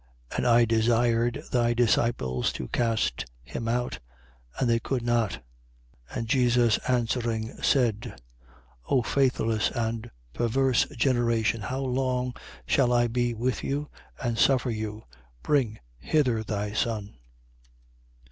9:40. And I desired thy disciples to cast him out: and they could not. 9:41. And Jesus, answering:, said: O faithless and perverse generation, how long shall I be with you and suffer you? Bring hither thy son.